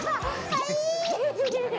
はい！